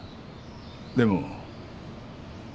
でも。